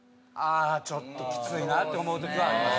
あちょっときついなって思う時はありますね。